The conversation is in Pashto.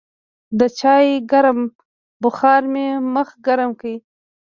د چای ګرم بخار مې مخ ګرم کړ.